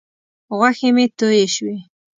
غوښې مې تویې شوې.